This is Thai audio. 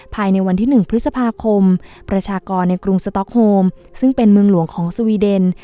ภายในวันที่๑พฤษภาคมประชากรในกรุงสต๊อกโฮมซึ่งเป็นเมืองหลวงของสวีเดน